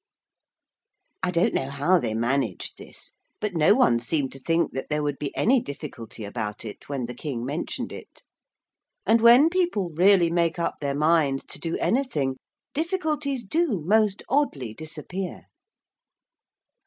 I don't know how they managed this, but no one seemed to think that there would be any difficulty about it when the King mentioned it; and when people really make up their minds to do anything, difficulties do most oddly disappear.